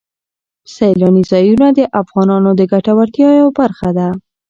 سیلاني ځایونه د افغانانو د ګټورتیا یوه برخه ده.